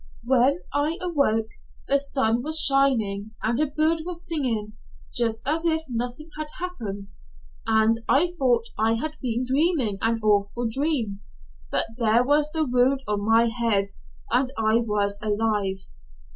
"When I awoke, the sun was shining and a bird was singing just as if nothing had happened, and I thought I had been dreaming an awful dream but there was the wound on my head and I was alive.